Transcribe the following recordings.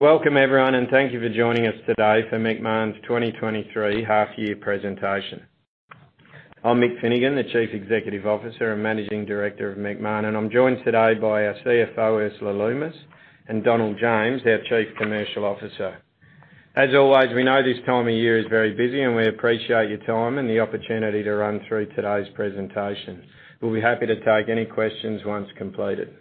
Welcome everyone, thank you for joining us today for Macmahon's 2023 half year presentation. I'm Mick Finnegan, the Chief Executive Officer and Managing Director of Macmahon. I'm joined today by our CFO, Ursula Lumes, and Donald James, our Chief Commercial Officer. As always, we know this time of year is very busy. We appreciate your time and the opportunity to run through today's presentation. We'll be happy to take any questions once completed.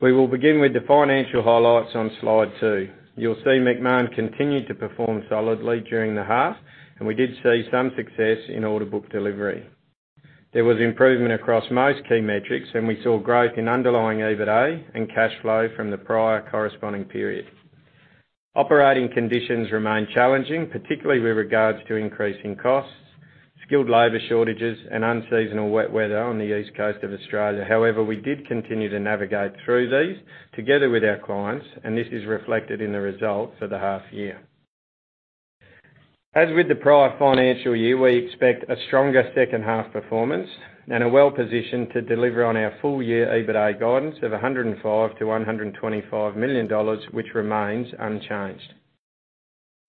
We will begin with the financial highlights on Slide two. You'll see Macmahon continued to perform solidly during the half. We did see some success in order book delivery. There was improvement across most key metrics. We saw growth in underlying EBITA and cash flow from the prior corresponding period. Operating conditions remain challenging, particularly with regards to increasing costs, skilled labor shortages, and unseasonal wet weather on the East Coast of Australia. We did continue to navigate through these together with our clients, and this is reflected in the results of the half year. As with the prior financial year, we expect a stronger second half performance and are well-positioned to deliver on our full year EBITA guidance of 105 million-125 million dollars, which remains unchanged.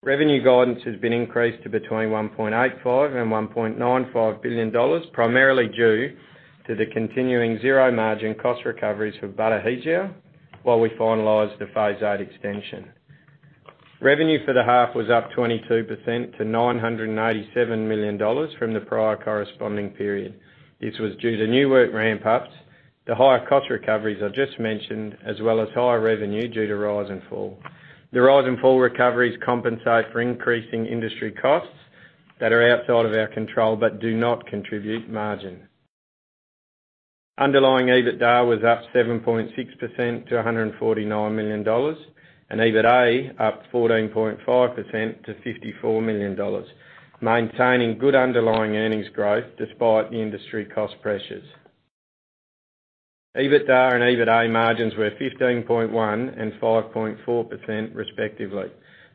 Revenue guidance has been increased to between 1.85 billion and 1.95 billion dollars, primarily due to the continuing zero-margin cost recoveries for Batu Hijau while we finalize the Phase 8 extension. Revenue for the half was up 22% to 987 million dollars from the prior corresponding period. This was due to new work ramp-ups, the higher cost recoveries I've just mentioned, as well as higher revenue due to rise and fall. The rise and fall recoveries compensate for increasing industry costs that are outside of our control but do not contribute margin. Underlying EBITDA was up 7.6% to 149 million dollars, and EBITA up 14.5% to 54 million dollars, maintaining good underlying earnings growth despite the industry cost pressures. EBITDA and EBITA margins were 15.1% and 5.4% respectively,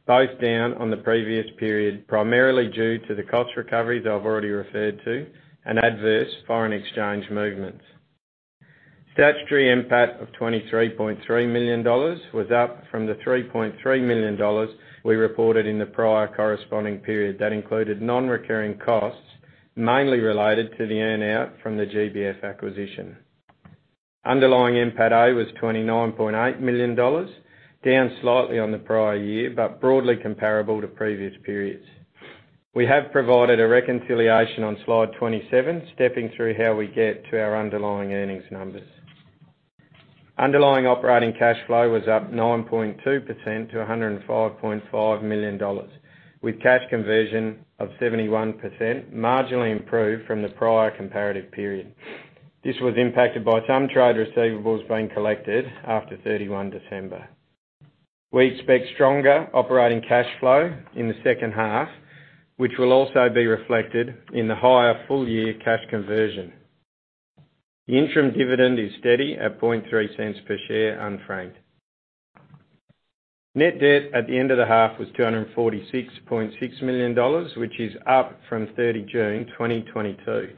both down on the previous period, primarily due to the cost recoveries I've already referred to and adverse foreign exchange movements. Statutory NPAT of 23.3 million dollars was up from the 3.3 million dollars we reported in the prior corresponding period. That included non-recurring costs, mainly related to the earn out from the GBF acquisition. Underlying NPATA was 29.8 million dollars, down slightly on the prior year, but broadly comparable to previous periods. We have provided a reconciliation on Slide 27, stepping through how we get to our underlying earnings numbers. Underlying operating cash flow was up 9.2% to 105.5 million dollars, with cash conversion of 71% marginally improved from the prior comparative period. This was impacted by some trade receivables being collected after 31 December. We expect stronger operating cash flow in the second half, which will also be reflected in the higher full year cash conversion. The interim dividend is steady at 0.003 per share, unfranked. Net debt at the end of the half was 246.6 million dollars, which is up from 30 June 2022.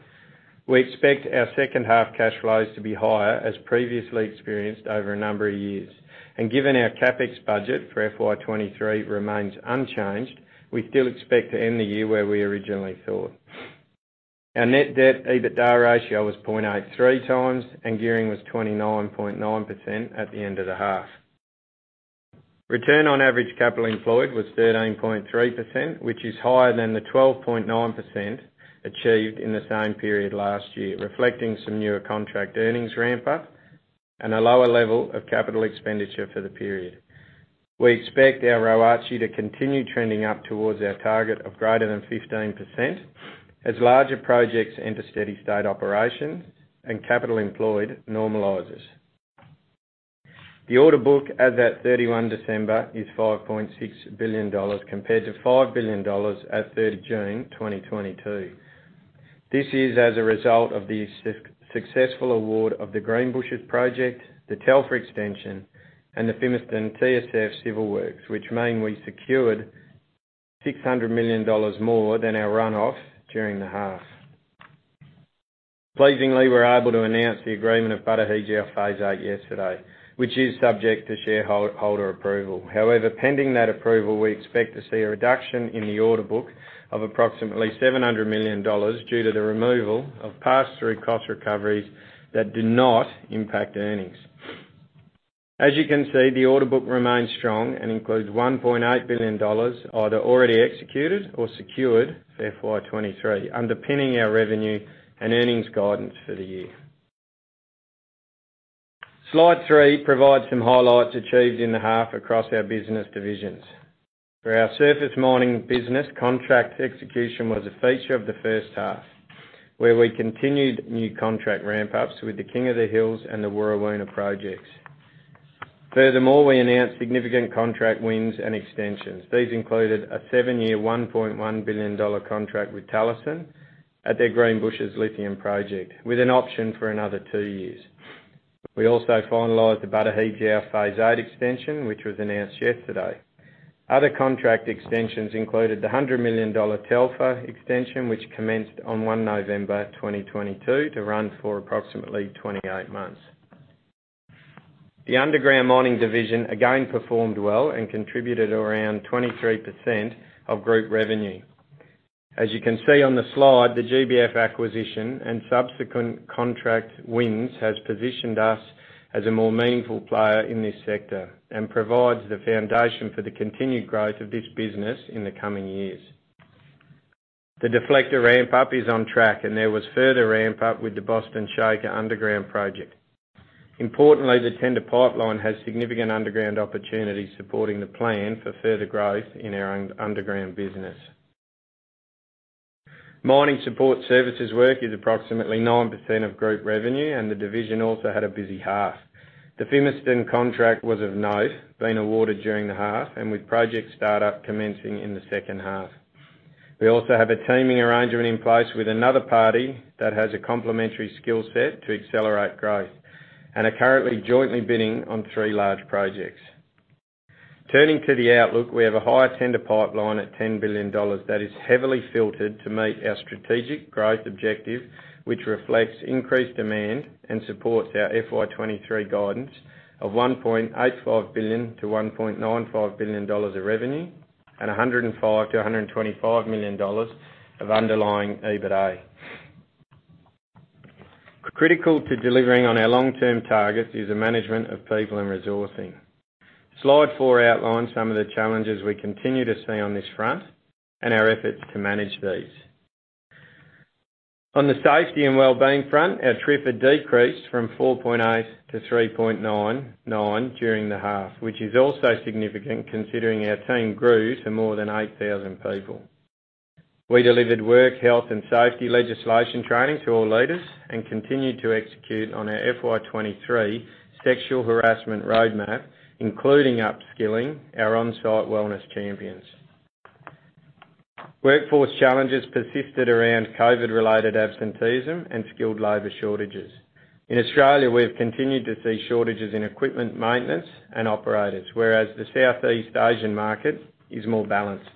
We expect our second half cash flows to be higher as previously experienced over a number of years. Given our CapEx budget for FY23 remains unchanged, we still expect to end the year where we originally thought. Our net debt EBITDA ratio was 0.83 times, and gearing was 29.9% at the end of the half. Return on Average Capital Employed was 13.3%, which is higher than the 12.9% achieved in the same period last year, reflecting some newer contract earnings ramp-up and a lower level of capital expenditure for the period. We expect our ROACE to continue trending up towards our target of greater than 15% as larger projects enter steady state operations and capital employed normalizes. The order book as at 31 December is 5.6 billion dollars compared to 5 billion dollars at June 30, 2022. This is as a result of the successful award of the Greenbushes project, the Telfer extension, and the Fimiston TSF civil works, which mean we secured 600 million dollars more than our runoffs during the half. Pleasingly, we're able to announce the agreement of Batu Hijau Phase 8 yesterday, which is subject to shareholder approval. Pending that approval, we expect to see a reduction in the order book of approximately 700 million dollars due to the removal of pass-through cost recoveries that do not impact earnings. As you can see, the order book remains strong and includes 1.8 billion dollars either already executed or secured for FY23, underpinning our revenue and earnings guidance for the year. Slide three provides some highlights achieved in the half across our business divisions. For our surface mining business, contract execution was a feature of the first half, where we continued new contract ramp-ups with the King of the Hills and the Warrawoona projects. We announced significant contract wins and extensions. These included a seven-year, 1.1 billion dollar contract with Talison at their Greenbushes Lithium Project, with an option for another two years. We also finalized the Batu Hijau Phase 8 extension, which was announced yesterday. Other contract extensions included the 100 million dollar Telfer extension, which commenced on November 1, 2022 to run for approximately 28 months. The underground mining division again performed well and contributed around 23% of group revenue. As you can see on the slide, the GBF acquisition and subsequent contract wins has positioned us as a more meaningful player in this sector and provides the foundation for the continued growth of this business in the coming years. The deflector ramp-up is on track, and there was further ramp-up with the Boston Shaker Underground project. Importantly, the tender pipeline has significant underground opportunities supporting the plan for further growth in our underground business. Mining support services work is approximately 9% of group revenue, and the division also had a busy half. The Fimiston contract was of note, being awarded during the half, and with project startup commencing in the second half. We also have a teaming arrangement in place with another party that has a complementary skill set to accelerate growth, and are currently jointly bidding on three large projects. Turning to the outlook, we have a higher tender pipeline at 10 billion dollars that is heavily filtered to meet our strategic growth objective, which reflects increased demand and supports our FY23 guidance of AUD 1.85 billion-AUD 1.95 billion of revenue and AUD 105 million-AUD 125 million of underlying EBITA. Critical to delivering on our long-term targets is the management of people and resourcing. Slide four outlines some of the challenges we continue to see on this front and our efforts to manage these. On the safety and well-being front, our TRIFR decreased from 4.8 to 3.99 during the half, which is also significant considering our team grew to more than 8,000 people. We delivered work, health, and safety legislation training to all leaders and continued to execute on our FY23 sexual harassment roadmap, including upskilling our on-site wellness champions. Workforce challenges persisted around COVID-related absenteeism and skilled labor shortages. In Australia, we've continued to see shortages in equipment maintenance and operators, whereas the Southeast Asian market is more balanced.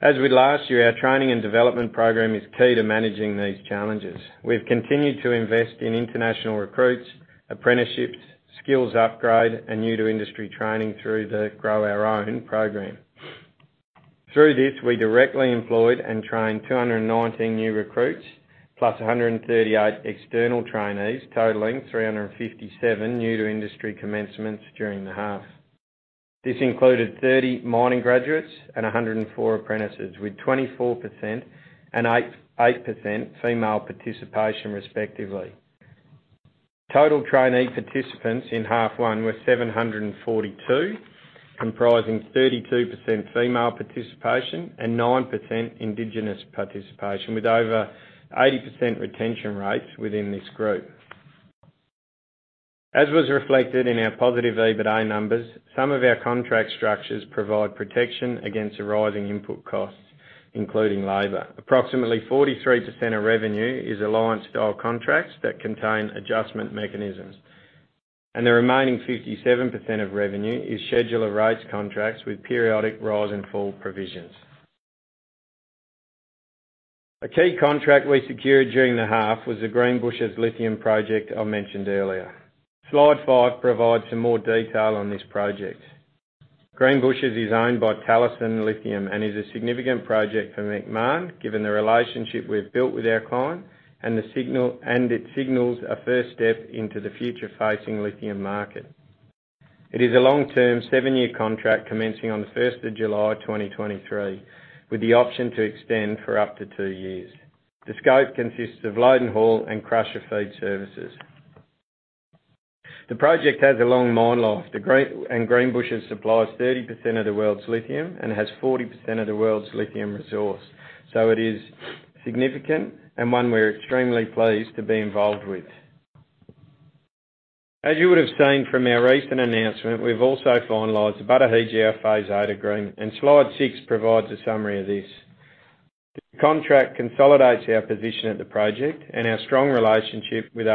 As with last year, our training and development program is key to managing these challenges. We've continued to invest in international recruits, apprenticeships, skills upgrade, and new to industry training through the Grow Our Own program. Through this, we directly employed and trained 219 new recruits, plus 138 external trainees, totaling 357 new to industry commencements during the half. This included 30 mining graduates and 104 apprentices, with 24% and 8.8% female participation respectively. Total trainee participants in half one were 742, comprising 32% female participation and 9% indigenous participation, with over 80% retention rates within this group. As was reflected in our positive EBITA numbers, some of our contract structures provide protection against a rising input cost, including labor. Approximately 43% of revenue is alliance style contracts that contain adjustment mechanisms, and the remaining 57% of revenue is scheduler rates contracts with periodic rise and fall provisions. A key contract we secured during the half was the Greenbushes Lithium Project I mentioned earlier. Slide five provides some more detail on this project. Greenbushes is owned by Talison Lithium and is a significant project for Macmahon, given the relationship we've built with our client and it signals a first step into the future-facing lithium market. It is a long-term seven-year contract commencing on the first of July 2023, with the option to extend for up to two years. The scope consists of load and haul and crusher feed services. The project has a long mine life. And Greenbushes supplies 30% of the world's lithium and has 40% of the world's lithium resource. It is significant and one we're extremely pleased to be involved with. As you would have seen from our recent announcement, we've also finalized the Batu Hijau Phase 8 agreement. Slide six sprovides a summary of this. The contract consolidates our position at the project and our strong relationship with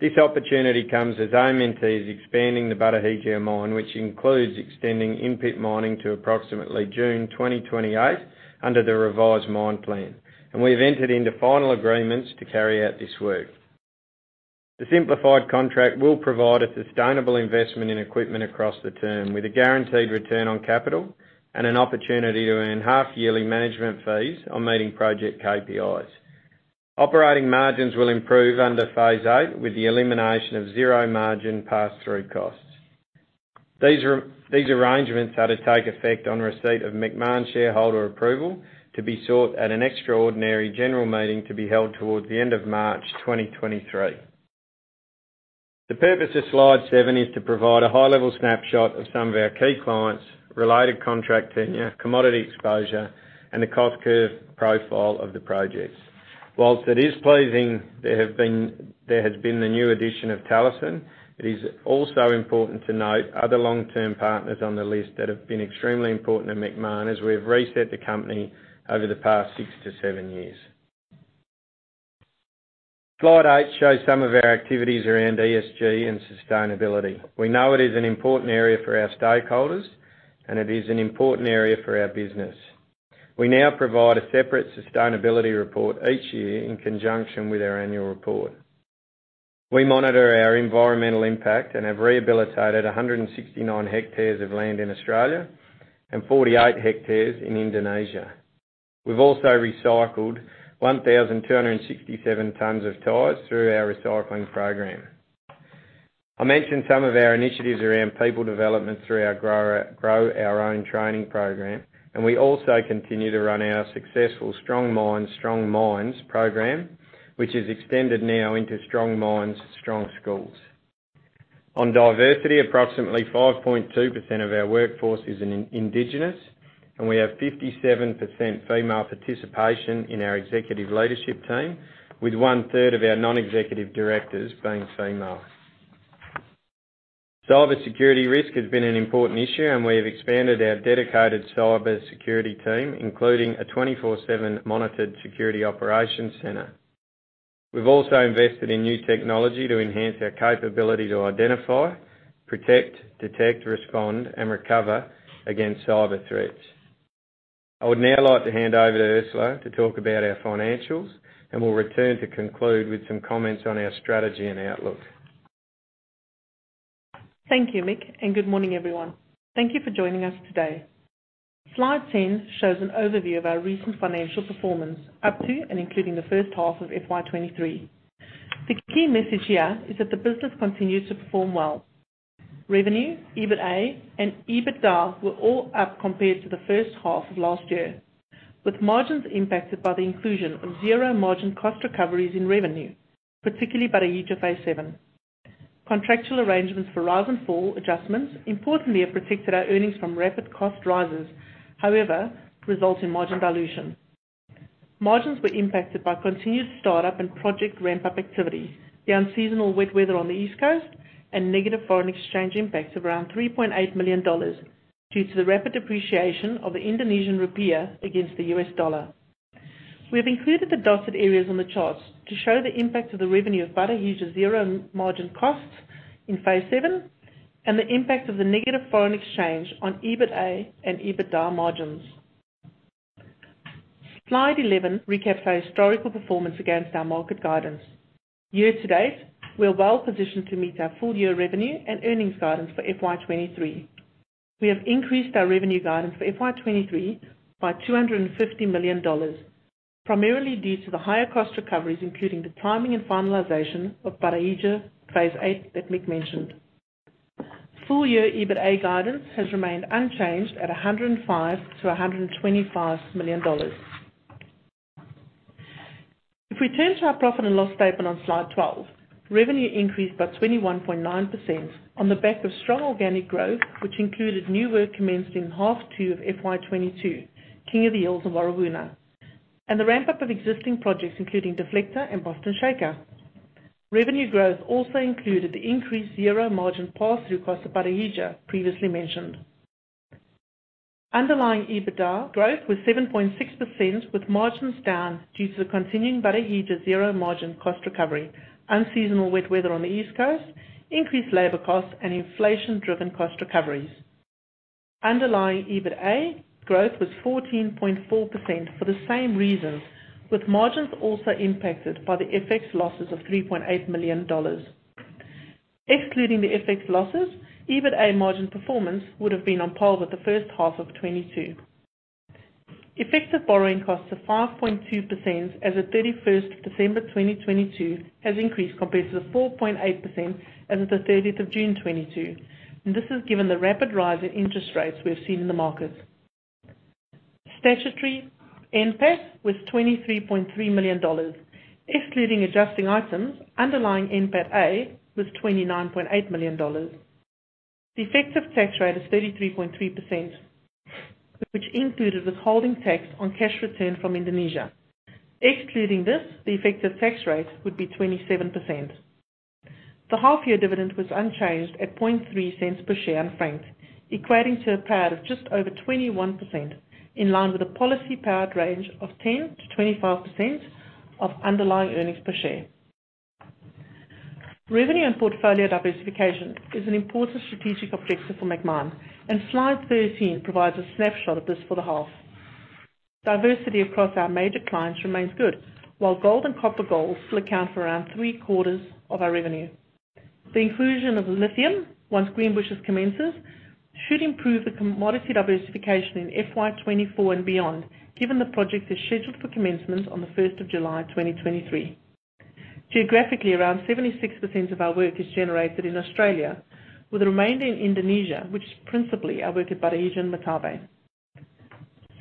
AMNT. This opportunity comes as AMNT is expanding the Batu Hijau mine, which includes extending in-pit mining to approximately June 2028 under the revised mine plan. We've entered into final agreements to carry out this work. The simplified contract will provide a sustainable investment in equipment across the term with a guaranteed return on capital and an opportunity to earn half yearly management fees on meeting project KPIs. Operating margins will improve under Phase 8 with the elimination of zero margin pass-through costs. These arrangements are to take effect on receipt of Macmahon shareholder approval to be sought at an extraordinary general meeting to be held towards the end of March 2023. The purpose of slide seven is to provide a high-level snapshot of some of our key clients, related contract tenure, commodity exposure, and the cost curve profile of the projects. Whilst it is pleasing there has been the new addition of Talison, it is also important to note other long-term partners on the list that have been extremely important to Macmahon as we have reset the company over the past six to seven years. Slide eight shows some of our activities around ESG and sustainability. We know it is an important area for our stakeholders, and it is an important area for our business. We now provide a separate sustainability report each year in conjunction with our annual report. We monitor our environmental impact and have rehabilitated 169 hectares of land in Australia and 48 hectares in Indonesia. We've also recycled 1,267 tons of tires through our recycling program. I mentioned some of our initiatives around people development through our Grow Our Own training program, and we also continue to run our successful Strong Minds, Strong Mines program, which is extended now into Strong Minds, Strong Schools. On diversity, approximately 5.2% of our workforce is indigenous, and we have 57% female participation in our executive leadership team, with one-third of our non-executive directors being female. Cyber security risk has been an important issue, and we have expanded our dedicated cyber security team, including a 24/7 monitored security operations center. We've also invested in new technology to enhance our capability to identify, protect, detect, respond, and recover against cyber threats. I would now like to hand over to Ursula to talk about our financials. We'll return to conclude with some comments on our strategy and outlook. Thank you, Mick. Good morning, everyone. Thank you for joining us today. Slide 10 shows an overview of our recent financial performance up to and including the first half of FY23. The key message here is that the business continues to perform well. Revenue, EBITA, and EBITDA were all up compared to the first half of last year, with margins impacted by the inclusion of zero-margin cost recoveries in revenue, particularly by the Batu Hijau Phase 7. Contractual arrangements for rise and fall adjustments importantly have protected our earnings from rapid cost rises, however, result in margin dilution. Margins were impacted by continued start-up and project ramp-up activities, the unseasonal wet weather on the East Coast, and negative foreign exchange impacts around $3.8 million due to the rapid depreciation of the Indonesian rupiah against the US dollar. We have included the dotted areas on the charts to show the impact of the revenue of Batu Hijau's zero margin costs in Phase 7 and the impact of the negative foreign exchange on EBITA and EBITDA margins. Slide 11 recaps our historical performance against our market guidance. Year to date, we're well positioned to meet our full-year revenue and earnings guidance for FY23. We have increased our revenue guidance for FY23 by 250 million dollars, primarily due to the higher cost recoveries, including the timing and finalization of Batu Hijau Phase 8 that Mick mentioned. Full-year EBITA guidance has remained unchanged at 105 million-125 million dollars. We turn to our profit and loss statement on Slide 12, revenue increased by 21.9% on the back of strong organic growth, which included new work commenced in H2 of FY22, King of the Hills and Warrawoona, and the ramp-up of existing projects, including Deflector and Boston Shaker. Revenue growth also included the increased zero-margin pass-through cost of Batu Hijau Phase 7 previously mentioned. Underlying EBITDA growth was 7.6%, with margins down due to the continuing Batu Hijau Phase 7 zero margin cost recovery, unseasonal wet weather on the East Coast, increased labor costs, and inflation-driven cost recoveries. Underlying EBITA growth was 14.4% for the same reasons, with margins also impacted by the FX losses of $3.8 million. Excluding the FX losses, EBITA margin performance would have been on par with the H1 of 2022. Effective borrowing costs of 5.2% as of 31st of December 2022 has increased compared to the 4.8% as of the 30th of June 2022. This is given the rapid rise in interest rates we have seen in the market. Statutory NPAT was 23.3 million dollars, excluding adjusting items. Underlying NPATA was 29.8 million dollars. The effective tax rate is 33.3%, which included the holding tax on cash return from Indonesia. Excluding this, the effective tax rate would be 27%. The half-year dividend was unchanged at 0.003 per share in frank, equating to a payout of just over 21%, in line with the policy payout range of 10%-25% of underlying earnings per share. Revenue and portfolio diversification is an important strategic objective for Macmahon, and Slide 13 provides a snapshot of this for the half. Diversity across our major clients remains good, while gold and copper goals still account for around three-quarters of our revenue. The inclusion of lithium, once Greenbushes commences, should improve the commodity diversification in FY24 and beyond, given the project is scheduled for commencement on July 1st, 2023. Geographically, around 76% of our work is generated in Australia, with the remainder in Indonesia, which is principally our work at Batu Hijau and Martabe.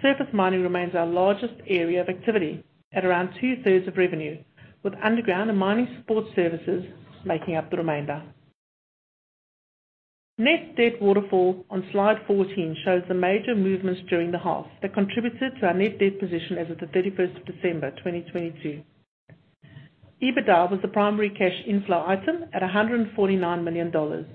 Surface mining remains our largest area of activity at around two-thirds of revenue, with underground and mining support services making up the remainder. Net debt waterfall on Slide 14 shows the major movements during the half that contributed to our net debt position as of December 31st, 2022. EBITDA was the primary cash inflow item at 149 million dollars.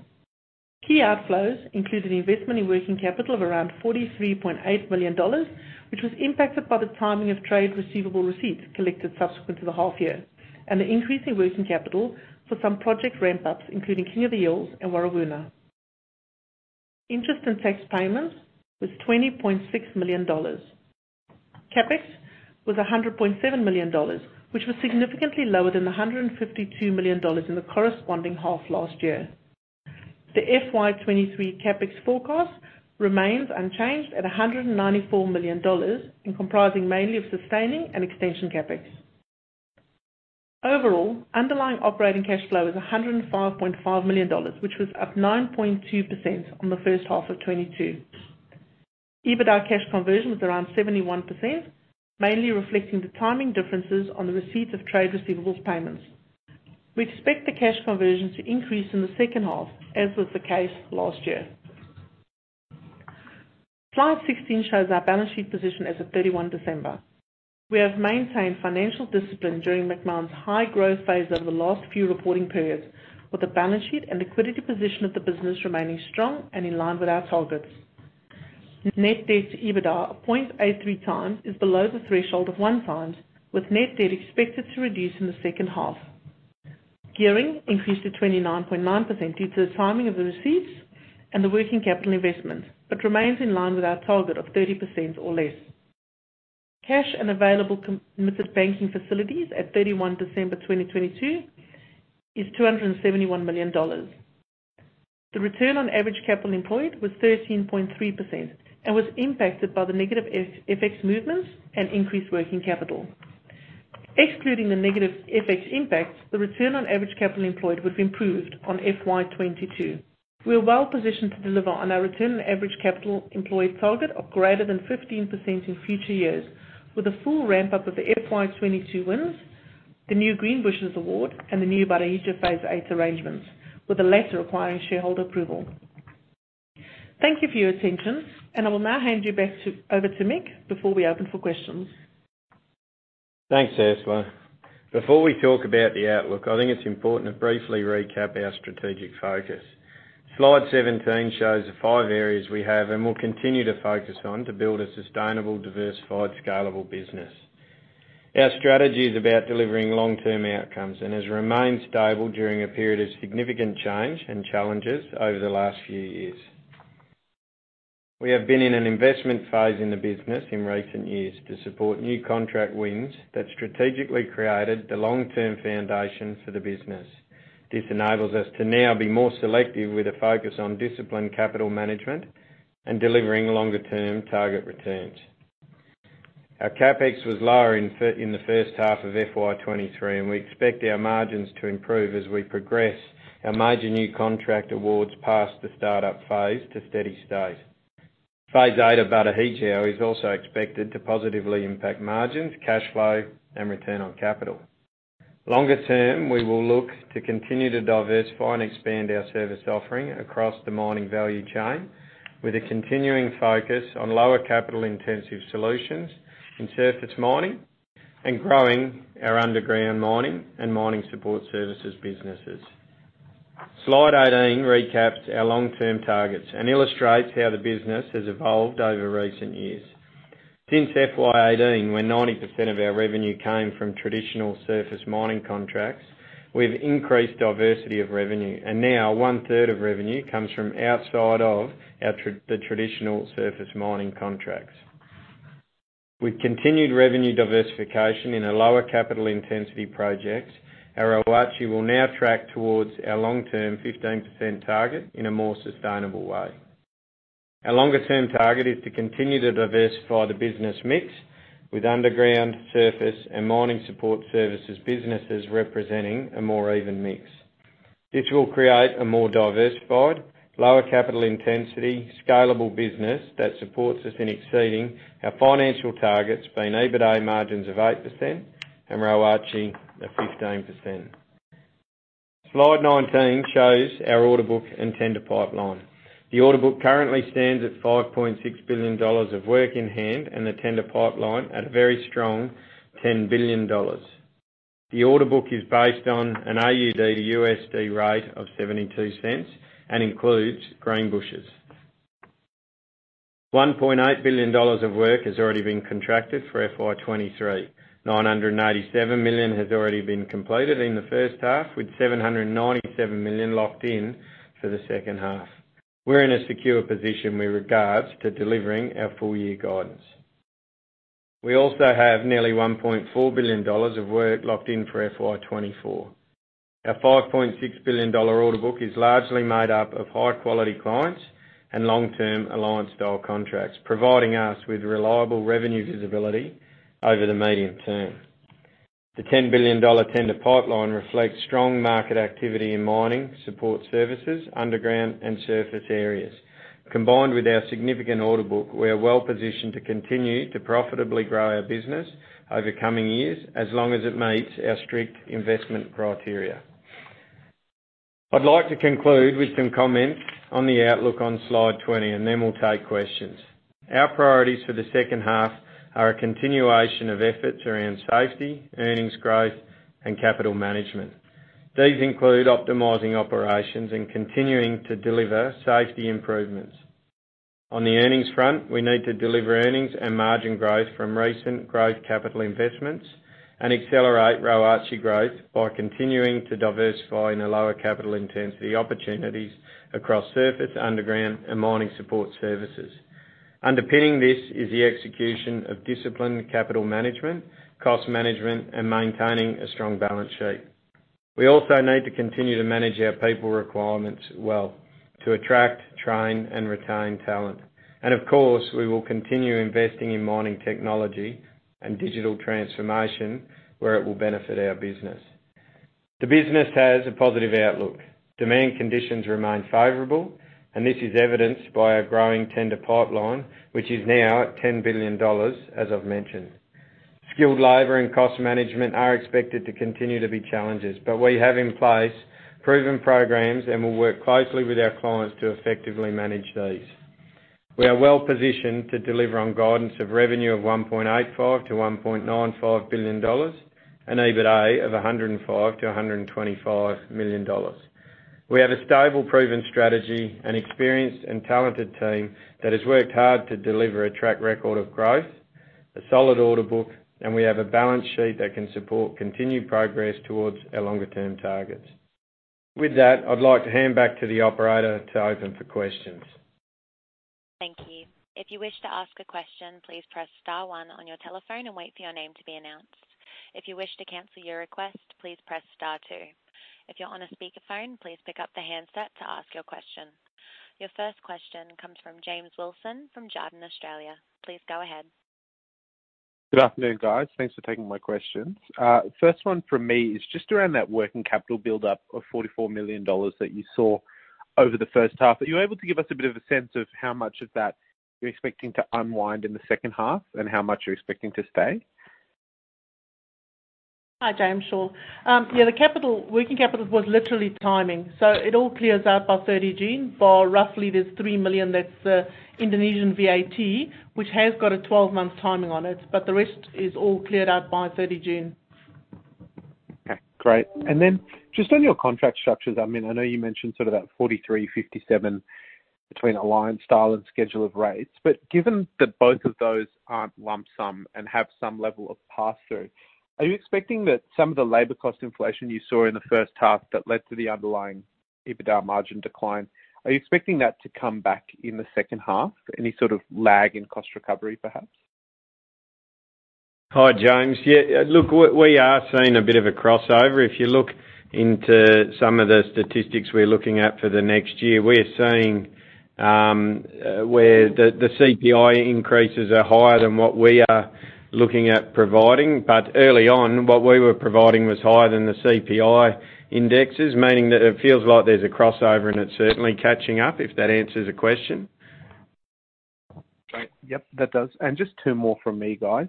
Key outflows included investment in working capital of around 43.8 million dollars, which was impacted by the timing of trade receivable receipts collected subsequent to the half year, and the increase in working capital for some project ramp-ups, including King of the Hills and Warrawoona. Interest and tax payments was 20 million dollars point AUD 0.6 million. CapEx was 100.7 million dollars, which was significantly lower than 152 million dollars in the corresponding half last year. The FY23 CapEx forecast remains unchanged at 194 million dollars and comprising mainly of sustaining and extension CapEx. Overall, underlying operating cash flow is 105.5 million dollars, which was up 9.2% on the first half of 2022. EBITDA cash conversion was around 71%, mainly reflecting the timing differences on the receipt of trade receivables payments. We expect the cash conversion to increase in the second half, as was the case last year. Slide 16 shows our balance sheet position as of 31 December. We have maintained financial discipline during Macmahon's high growth phase over the last few reporting periods, with the balance sheet and liquidity position of the business remaining strong and in line with our targets. Net debt to EBITDA of 0.83 time is below the threshold of 1 time, with net debt expected to reduce in the second half. Gearing increased to 29.9% due to the timing of the receipts and the working capital investment, but remains in line with our target of 30% or less. Cash and available committed banking facilities at 31 December 2022 is $271 million. The return on average capital employed was 13.3% and was impacted by the negative FX movements and increased working capital. Excluding the negative FX impacts, the return on average capital employed was improved on FY22. We are well positioned to deliver on our return on average capital employed target of greater than 15% in future years with a full ramp-up of the FY22 wins, the new Greenbushes award, and the new Batu Hijau Phase 8 arrangements, with the latter requiring shareholder approval. Thank you for your attention, and I will now hand you over to Mick before we open for questions. Thanks, Ursula. Before we talk about the outlook, I think it's important to briefly recap our strategic focus. Slide 17 shows the five areas we have and will continue to focus on to build a sustainable, diversified, scalable business. Our strategy is about delivering long-term outcomes and has remained stable during a period of significant change and challenges over the last few years. We have been in an investment phase in the business in recent years to support new contract wins that strategically created the long-term foundation for the business. This enables us to now be more selective with a focus on disciplined capital management and delivering longer-term target returns. Our CapEx was lower in the first half of FY23, and we expect our margins to improve as we progress our major new contract awards past the start-up phase to steady state. Phase 8 of Batu Hijau is also expected to positively impact margins, cash flow, and return on capital. Longer term, we will look to continue to diversify and expand our service offering across the mining value chain with a continuing focus on lower capital-intensive solutions in surface mining and growing our underground mining and mining support services businesses. Slide 18 recaps our long-term targets and illustrates how the business has evolved over recent years. Since FY18, when 90% of our revenue came from traditional surface mining contracts, we've increased diversity of revenue, and now 1/3 of revenue comes from outside of the traditional surface mining contracts. With continued revenue diversification in a lower capital intensity projects, our ROACE will now track towards our long-term 15% target in a more sustainable way. Our longer-term target is to continue to diversify the business mix with underground, surface, and mining support services businesses representing a more even mix. This will create a more diversified, lower capital intensity, scalable business that supports us in exceeding our financial targets, being EBITDA margins of 8% and ROACE of 15%. Slide 19 shows our order book and tender pipeline. The order book currently stands at 5.6 billion dollars of work in hand and the tender pipeline at a very strong 10 billion dollars. The order book is based on an AUD to USD rate of seventy-two cents and includes Greenbushes. 1.8 billion dollars of work has already been contracted for FY23. 987 million has already been completed in the first half, with 797 million locked in for the second half. We're in a secure position with regards to delivering our full-year guidance. We also have nearly 1.4 billion dollars of work locked in for FY24. Our 5.6 billion dollar order book is largely made up of high-quality clients and long-term alliance-style contracts, providing us with reliable revenue visibility over the medium term. The 10 billion dollar tender pipeline reflects strong market activity in mining, support services, underground, and surface areas. Combined with our significant order book, we are well positioned to continue to profitably grow our business over coming years, as long as it meets our strict investment criteria. I'd like to conclude with some comments on the outlook on slide 20, and then we'll take questions. Our priorities for the second half are a continuation of efforts around safety, earnings growth, and capital management. These include optimizing operations and continuing to deliver safety improvements. On the earnings front, we need to deliver earnings and margin growth from recent growth capital investments, and accelerate ROACE growth by continuing to diversify in a lower capital intensity opportunities across surface, underground, and mining support services. Underpinning this is the execution of disciplined capital management, cost management, and maintaining a strong balance sheet. We also need to continue to manage our people requirements well to attract, train, and retain talent. Of course, we will continue investing in mining technology and digital transformation where it will benefit our business. The business has a positive outlook. Demand conditions remain favorable, and this is evidenced by a growing tender pipeline, which is now at 10 billion dollars, as I've mentioned. Skilled labor and cost management are expected to continue to be challenges, but we have in place proven programs and will work closely with our clients to effectively manage these. We are well-positioned to deliver on guidance of revenue of 1.85 billion-1.95 billion dollars, and EBITA of 105 million-125 million dollars. We have a stable, proven strategy and experienced and talented team that has worked hard to deliver a track record of growth, a solid order book, and we have a balance sheet that can support continued progress towards our longer-term targets. With that, I'd like to hand back to the operator to open for questions. Thank you. If you wish to ask a question, please press star one on your telephone and wait for your name to be announced. If you wish to cancel your request, please press star two. If you're on a speakerphone, please pick up the handset to ask your question. Your first question comes from James Wilson from Jarden Australia. Please go ahead. Good afternoon, guys. Thanks for taking my questions. First one from me is just around that working capital buildup of 44 million dollars that you saw over the first half. Are you able to give us a bit of a sense of how much of that you're expecting to unwind in the second half, and how much you're expecting to stay? Hi, James. Sure. Yeah, the capital, working capital was literally timing. It all clears out by 30 June, bar roughly there's 3 million that's Indonesian VAT, which has got a 12-month timing on it, the rest is all cleared out by 30 June. Okay, great. Just on your contract structures, I mean, I know you mentioned sort of that 43/57 between alliance style and schedule of rates, given that both of those aren't lump sum and have some level of pass-through, are you expecting that some of the labor cost inflation you saw in the first half that led to the underlying EBITDA margin decline, are you expecting that to come back in the second half? Any sort of lag in cost recovery, perhaps? Hi, James. Yeah, look, we are seeing a bit of a crossover. If you look into some of the statistics we're looking at for the next year, we're seeing, where the CPI increases are higher than what we are looking at providing. Early on, what we were providing was higher than the CPI indexes, meaning that it feels like there's a crossover and it's certainly catching up, if that answers the question. Great. Yep, that does. Just two more from me, guys.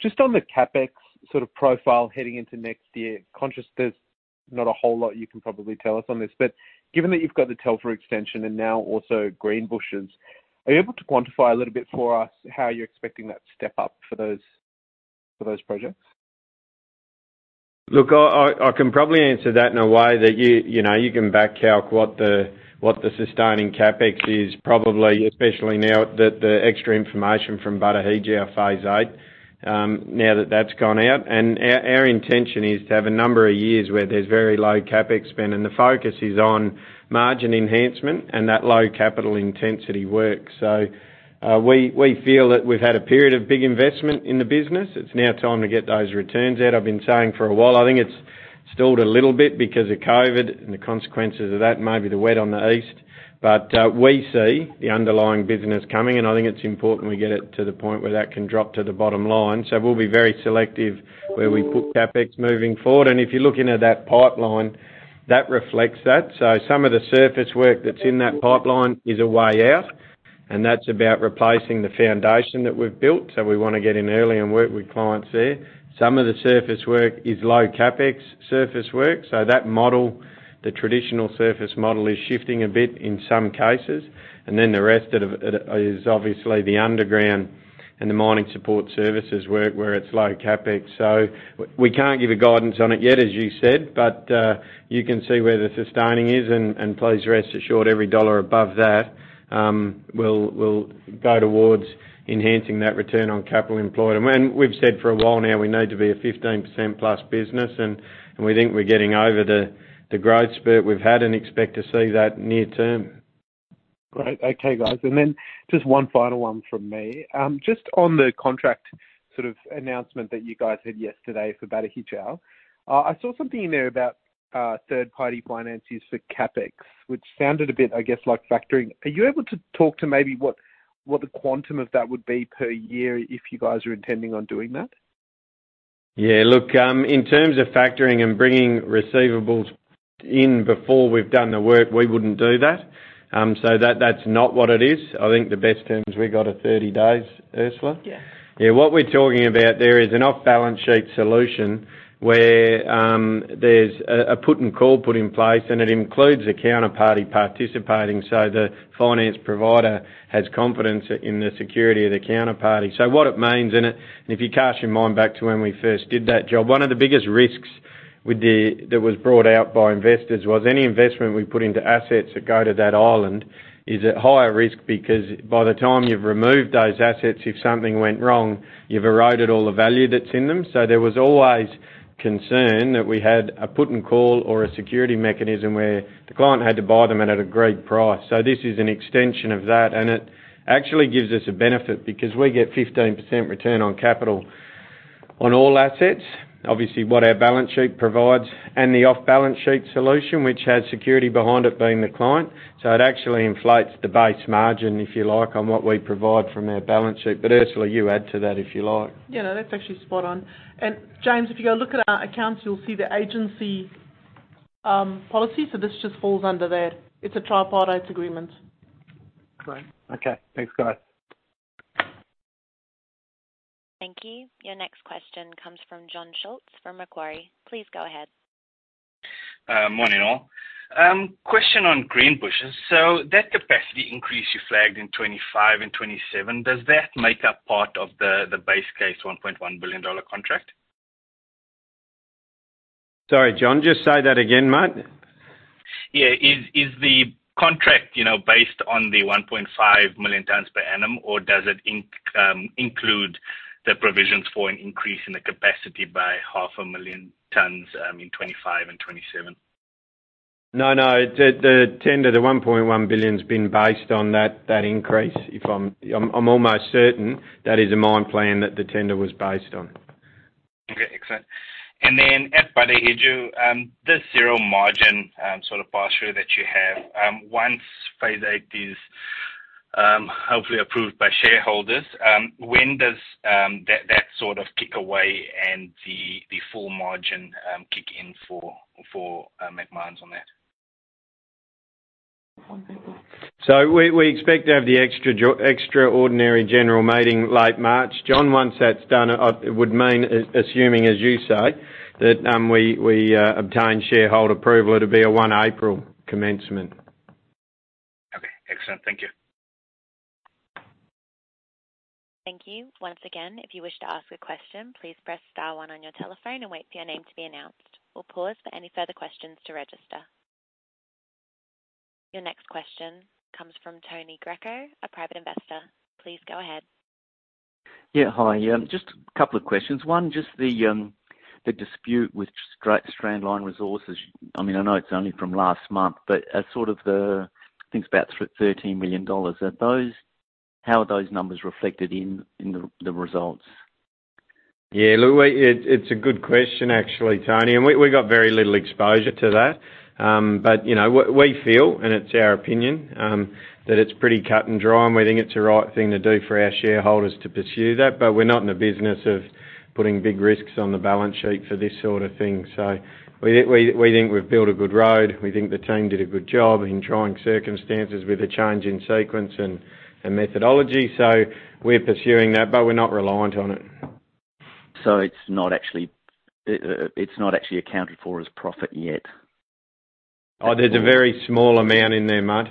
Just on the CapEx sort of profile heading into next year, conscious there's not a whole lot you can probably tell us on this, but given that you've got the Telfer extension and now also Greenbushes, are you able to quantify a little bit for us how you're expecting that step up for those, for those projects? Look, I can probably answer that in a way that you know, you can back calc what the sustaining CapEx is probably, especially now that the extra information from Batu Hijau Phase 8, now that that's gone out. Our intention is to have a number of years where there's very low CapEx spend, and the focus is on margin enhancement and that low capital intensity work. We feel that we've had a period of big investment in the business. It's now time to get those returns out. I've been saying for a while, I think it's stalled a little bit because of COVID and the consequences of that, maybe the wet on the east. We see the underlying business coming, and I think it's important we get it to the point where that can drop to the bottom line. We'll be very selective where we put CapEx moving forward. If you're looking at that pipeline, that reflects that. Some of the surface work that's in that pipeline is a way out, and that's about replacing the foundation that we've built. We wanna get in early and work with clients there. Some of the surface work is low CapEx surface work, so that model, the traditional surface model, is shifting a bit in some cases. The rest of it is obviously the underground and the mining support services work where it's low CapEx. We can't give a guidance on it yet, as you said, but you can see where the sustaining is and please rest assured every dollar above that, will go towards enhancing that return on capital employed. We've said for a while now we need to be a 15% plus business and we think we're getting over the growth spurt we've had and expect to see that near term. Great. Okay, guys. Just one final one from me. Just on the contract sort of announcement that you guys had yesterday for Batu Hijau, I saw something in there about third-party finances for CapEx, which sounded a bit, I guess, like factoring. Are you able to talk to maybe what the quantum of that would be per year if you guys are intending on doing that? Yeah. Look, in terms of factoring and bringing receivables in before we've done the work, we wouldn't do that. That, that's not what it is. I think the best terms we got are 30 days, Ursula? Yeah. What we're talking about there is an off-balance-sheet solution where, there's a put and call put in place, and it includes a counterparty participating, so the finance provider has confidence in the security of the counterparty. What it means, if you cast your mind back to when we first did that job, one of the biggest risks that was brought out by investors was any investment we put into assets that go to that island is at higher risk because by the time you've removed those assets, if something went wrong, you've eroded all the value that's in them. There was always concern that we had a put and call or a security mechanism where the client had to buy them at an agreed price. This is an extension of that, and it actually gives us a benefit because we get 15% return on capital on all assets. Obviously, what our balance sheet provides and the off-balance-sheet solution, which has security behind it being the client. It actually inflates the base margin, if you like, on what we provide from our balance sheet. Ursula, you add to that, if you like. Yeah, no, that's actually spot on. James, if you go look at our accounts, you'll see the agency policy. This just falls under that. It's a tripartite agreement. Great. Okay. Thanks, guys. Thank you. Your next question comes from Jon Scholtz from Argonaut. Please go ahead. Morning, all. Question on Greenbushes. That capacity increase you flagged in 25 and 27, does that make up part of the base case $1.1 billion contract? Sorry, Jon, just say that again, mate. Yeah. Is the contract, you know, based on the 1.5 million tons per annum, or does it include the provisions for an increase in the capacity by half a million tons, in 2025 and 2027? No, no. The tender, the 1.1 billion's been based on that increase if I'm almost certain that is a mine plan that the tender was based on. Okay, excellent. At Batu Hijau, the zero margin, sort of pass through that you have, once Phase 8 is hopefully approved by shareholders, when does that sort of kick away and the full margin kick in for Macmahon on that? One moment. We expect to have the extraordinary general meeting late March. Jon, once that's done, it would mean assuming as you say, that we obtain shareholder approval to be a 1 April commencement. Okay. Excellent. Thank you. Thank you. Once again, if you wish to ask a question, please press star one on your telephone and wait for your name to be announced. We'll pause for any further questions to register. Your next question comes from Tony Greco, a private investor. Please go ahead. Yeah. Hi. Just a couple of questions. One, just the dispute with Strandline Resources. I mean, I know it's only from last month, but as sort of the, think it's about 13 million dollars. How are those numbers reflected in the results? Yeah. Look, it's a good question actually, Tony Greco. We got very little exposure to that. You know, what we feel, and it's our opinion, that it's pretty cut and dry, and we think it's the right thing to do for our shareholders to pursue that. We're not in the business of putting big risks on the balance sheet for this sort of thing. We think we've built a good road. We think the team did a good job in trying circumstances with a change in sequence and methodology. We're pursuing that, but we're not reliant on it. It's not actually accounted for as profit yet. Oh, there's a very small amount in there, mate.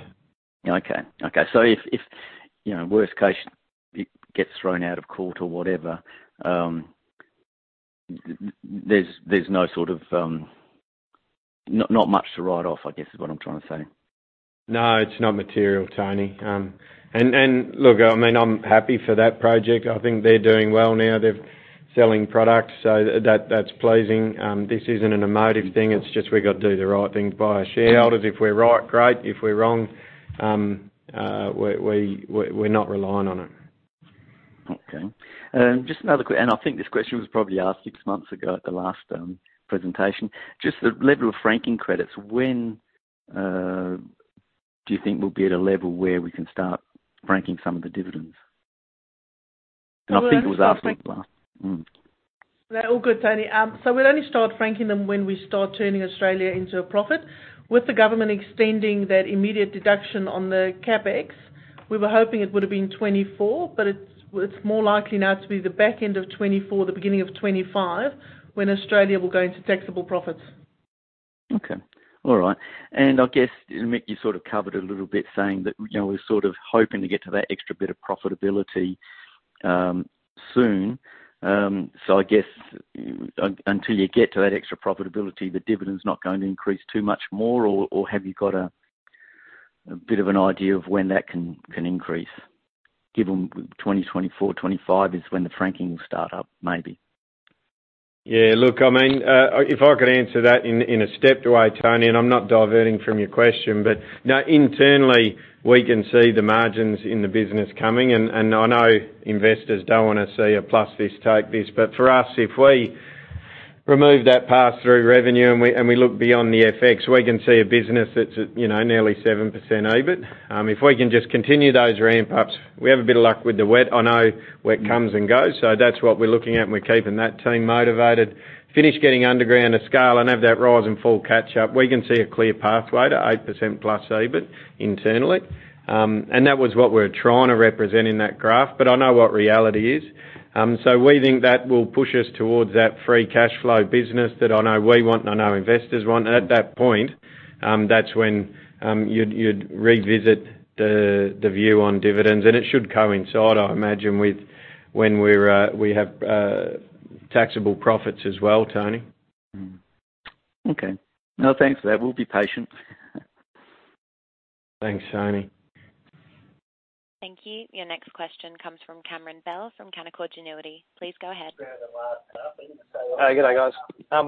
Okay. Okay. If, you know, worst case, it gets thrown out of court or whatever, there's no sort of. Not much to write off, I guess, is what I'm trying to say. No, it's not material, Tony. Look, I mean, I'm happy for that project. I think they're doing well now. That's pleasing. This isn't an emotive thing. It's just we've got to do the right thing by our shareholders. If we're right, great. If we're wrong, we're not relying on it. Okay. I think this question was probably asked six months ago at the last presentation. The level of franking credits, when do you think we'll be at a level where we can start franking some of the dividends? I know peoples asked before. All good, Tony. We'll only start franking them when we start turning Australia into a profit. With the government extending that immediate deduction on the CapEx, we were hoping it would have been 2024, but it's more likely now to be the back end of 2024, the beginning of 2025 when Australia will go into taxable profits. Okay. All right. I guess, and Mick, you sort of covered a little bit saying that, you know, we're sort of hoping to get to that extra bit of profitability, soon. I guess until you get to that extra profitability, the dividend's not going to increase too much more or have you got a bit of an idea of when that can increase given 2024, 2025 is when the franking will start up, maybe? Look, I mean, if I could answer that in a step away, Tony, and I'm not diverting from your question, but, you know, internally, we can see the margins in the business coming, and I know investors don't wanna see a plus this, take this. For us, if we remove that pass-through revenue and we look beyond the FX, we can see a business that's at, you know, nearly 7% EBIT. If we can just continue those ramp-ups, we have a bit of luck with the wet. I know wet comes and goes, so that's what we're looking at, and we're keeping that team motivated. Finish getting underground to scale and have that rise and fall catch up. We can see a clear pathway to 8%+ EBIT internally. That was what we're trying to represent in that graph. I know what reality is. We think that will push us towards that free cash flow business that I know we want and I know investors want. At that point, that's when you'd revisit the view on dividends. It should coincide, I imagine, with when we're we have taxable profits as well, Tony. Mm-hmm. Okay. No, thanks for that. We'll be patient. Thanks, Tony. Thank you. Your next question comes from Cameron Bell from Canaccord Genuity. Please go ahead. Hi. Good day, guys. Hi,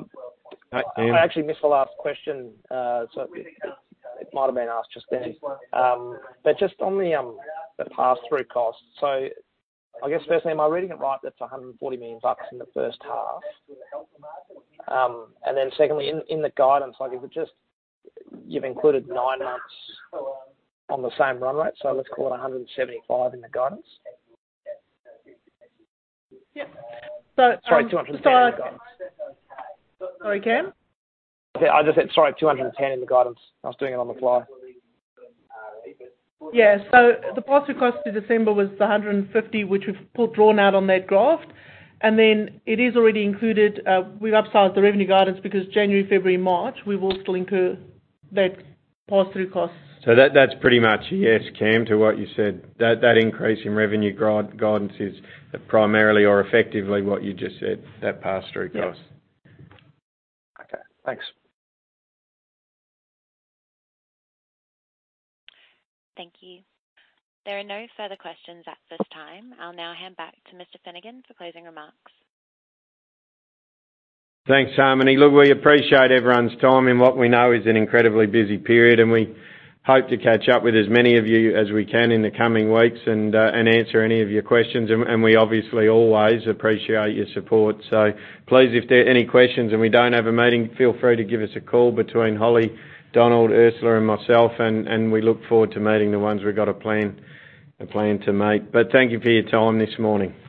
Cam. I actually missed the last question. It might have been asked just then. Just on the pass-through cost. I guess firstly, am I reading it right, that's 140 million bucks in the first half? Then secondly, in the guidance, like is it just you've included nine months on the same run rate, so let's call it 175 in the guidance? Yeah. Sorry, 210 in the guidance. Sorry, Cam? I just said. Sorry, 210 in the guidance. I was doing it on the fly. Yeah. The pass-through cost in December was 150, which we've drawn out on that graph. It is already included. We've upsized the revenue guidance because January, February, March, we will still incur that pass-through costs. That's pretty much yes, Cam, to what you said. That increase in revenue guidance is primarily or effectively what you just said that pass-through cost. Yes. Okay. Thanks. Thank you. There are no further questions at this time. I'll now hand back to Mr. Finnegan for closing remarks. Thanks, Harmony. Look, we appreciate everyone's time in what we know is an incredibly busy period, and we hope to catch up with as many of you as we can in the coming weeks and answer any of your questions. We obviously always appreciate your support. Please, if there are any questions and we don't have a meeting, feel free to give us a call between Holly, Donald, Ursula, and myself, and we look forward to meeting the ones we've got a plan to make. Thank you for your time this morning.